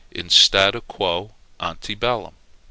"In statu quo ante bellum_."